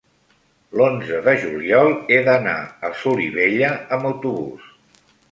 l'onze de juliol he d'anar a Solivella amb autobús.